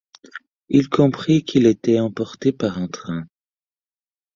Il comprit qu’il était emporté par un train.